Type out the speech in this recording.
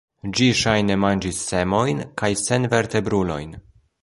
Ĝi ŝajne manĝis semojn kaj senvertebrulojn.